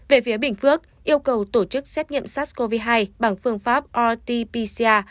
về phía bình phước yêu cầu tổ chức xét nghiệm sars cov hai bằng phương pháp rt pcr